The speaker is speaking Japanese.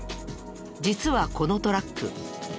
実はこのトラック